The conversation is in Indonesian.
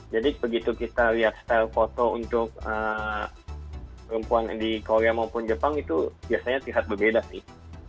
jadi begitu kita lihat style foto untuk perempuan di korea maupun jepang itu biasanya terlihat berbeda sih